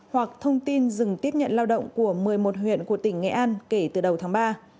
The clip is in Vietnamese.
hoặc thông tin dừng tiếp nhận lao động của một mươi một huyện của tỉnh nghệ an kể từ đầu tháng ba